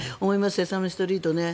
「セサミストリート」ね。